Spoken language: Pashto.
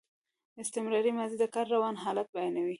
استمراري ماضي د کار روان حالت بیانوي.